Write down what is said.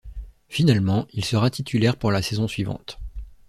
Finalement, il sera titulaire pour la saison suivante.